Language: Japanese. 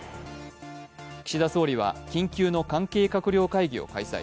岸田総理は、緊急の関係閣僚会議を開催。